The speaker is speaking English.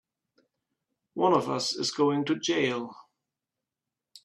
One of us is going to jail!